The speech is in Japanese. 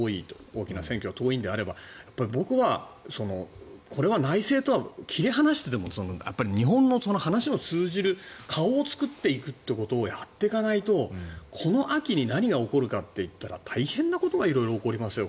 大きな選挙が遠いのであれば僕はこれは内政とは切り離してでも日本の話が通じる顔を作っていくっていうことをやっていかないとこの秋に何が起こるかといったら大変なことが色々起こりますよ。